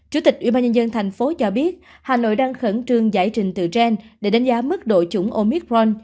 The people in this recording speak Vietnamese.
chủ tịch ubnd thành phố cho biết hà nội đang khẩn trương giải trình từ gen để đánh giá mức đội chủng omicron